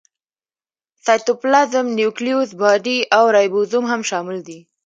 سایټوپلازم، نیوکلیوس باډي او رایبوزوم هم شامل دي.